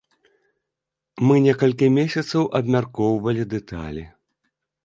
Мы некалькі месяцаў абмяркоўвалі дэталі.